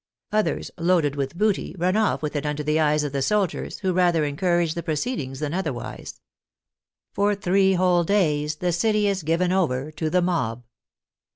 Others loaded with booty, run off with it under the eyes of the soldiers, who rather en courage the proceedings than otherwise. For three whole days the city is given over to the mob.